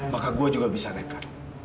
maka gue juga bisa nekat